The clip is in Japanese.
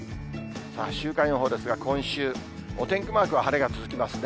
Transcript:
さあ、週間予報ですが、今週、お天気マークは晴れが続きますね。